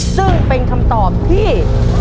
ซึ่งเป็นคำตอบที่